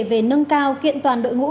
về nâng cao kiện toàn đội ngũ